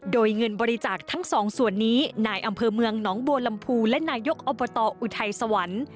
โดยเงินบริจาคทั้งสองส่วนนี้นายอำเภอเมืองหนองบัวลำพูและนายกอบตอุทัยสวรรค์